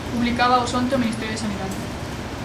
Publicábaos onte o Ministerio de Sanidade.